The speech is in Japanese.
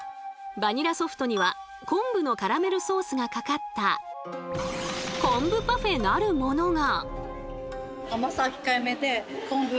バニラソフトには昆布のカラメルソースがかかった昆布パフェなるものが。